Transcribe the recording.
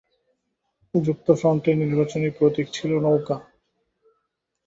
যুক্তফ্রন্টের নির্বাচনী প্রতীক ছিল 'নৌকা'।